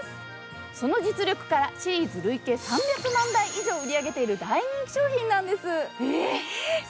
その実力から、シリーズ累計３００万台以上売り上げている大人気商品なんです。